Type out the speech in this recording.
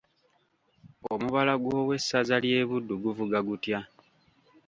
Omubala gw'Owessaza ly'e buddu guvuga gutya?